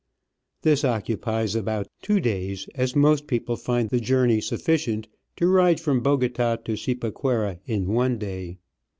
This occupies ' about two days, as most people find the journey sufficient to ride from Bogota to Cipaquira in one day.